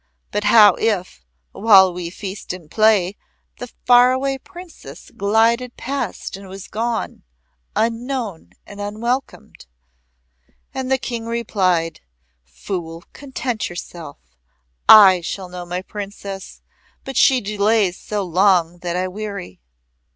But how if, while we feast and play, the Far Away Princess glided past and was gone, unknown and unwelcomed?" And the King replied: "Fool, content yourself. I shall know my Princess, but she delays so long that I weary."